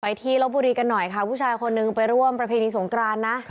ที่ลบบุรีกันหน่อยค่ะผู้ชายคนนึงไปร่วมประเพณีสงกรานนะ